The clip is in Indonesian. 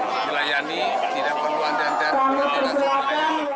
melayani tidak perlu andan andan